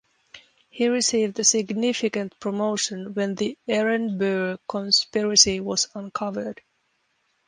He received a significant promotion when the Aaron Burr conspiracy was uncovered.